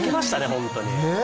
本当に！